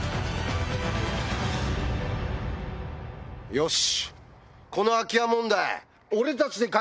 よし！